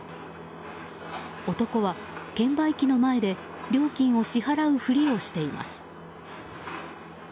男は券売機の前で料金を支払うふりをしています。